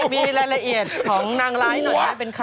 มีรายละเอียดของนางร้ายหน่อยค่ะ